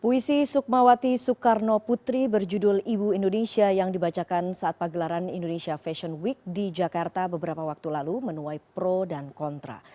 puisi sukmawati soekarno putri berjudul ibu indonesia yang dibacakan saat pagelaran indonesia fashion week di jakarta beberapa waktu lalu menuai pro dan kontra